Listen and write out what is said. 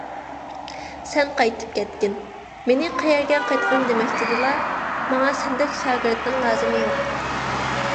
_ سەن قايتىپ كەتكىن! − مېنى قەيەرگە قايتقىن دېمەكچىدىلا؟ − ماڭا سەندەك شاگىرتنىڭ لازىمى يوق!